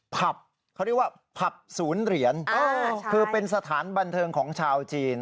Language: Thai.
ผับเขาเรียกว่าผับศูนย์เหรียญคือเป็นสถานบันเทิงของชาวจีน